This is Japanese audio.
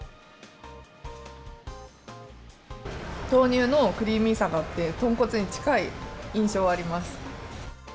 豆乳のクリーミーさがあって、豚骨に近い印象あります。